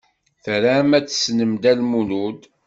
Tram ad tessnem Dda Lmulud?